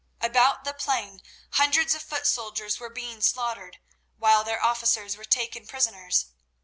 About the plain hundreds of foot soldiers were being slaughtered, while their officers were taken prisoners.